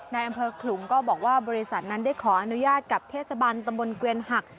ในอำเภอขลุงก็บอกว่าบริษัทนั้นได้ขออนุญาตกับเทศบันตำบลเกวียนหัก